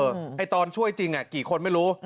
ไอ้ตอนช่วยจริงกี่คนไม่รู้